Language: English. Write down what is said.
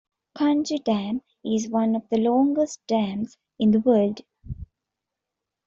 Kanji Dam is one of the longest dams in the world.